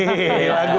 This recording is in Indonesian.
oh cuma nyanyi dulu